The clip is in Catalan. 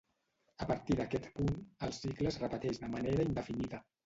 A partir d'aquest punt, el cicle es repeteix de manera indefinida.